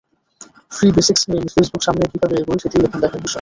Free basics নিয়ে Facebook সামনে কীভাবে এগোয়, সেটিই এখন দেখার বিষয়।